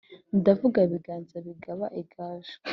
Ndavuga Biganza bigaba igaju,